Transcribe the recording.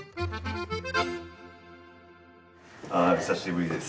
久しぶりです。